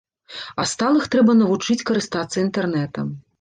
А сталых трэба навучыць карыстацца інтэрнэтам.